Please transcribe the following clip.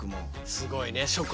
すごいね。